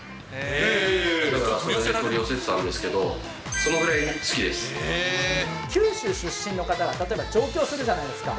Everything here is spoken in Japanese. だから、それで取り寄せてたんで九州出身の方が例えば上京するじゃないですか。